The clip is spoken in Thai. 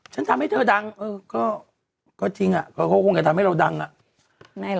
ฉันทำให้เธอดังเออก็จริงอ่ะเขาก็คงจะทำให้เราดังอ่ะ